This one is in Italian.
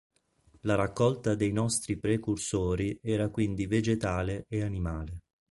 La raccolta dei nostri precursori era quindi vegetale e animale.